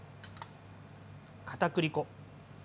かたくり粉。